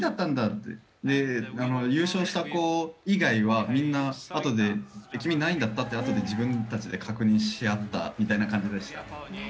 で、優勝した子以外はみんなあとで君、何位だった？って自分たちで確認し合ったみたいな感じでした。